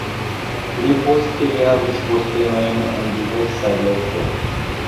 Pli poste li havis postenojn en diversaj lokoj.